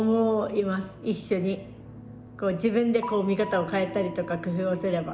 自分でこう見方を変えたりとか工夫をすれば。